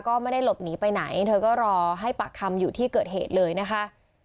ก็ไม่ได้หลบหนีไปไหนเธอก็รอให้ปากคำอยู่ที่เกิดเหตุเลยนะคะ